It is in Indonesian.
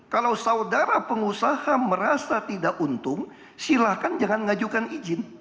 kalau saudara pengusaha merasa tidak untung silahkan jangan ngajukan izin